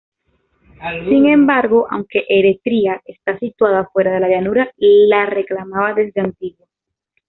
Sin embargo, aunque Eretria está situada fuera de la llanura, la reclamaba desde antiguo.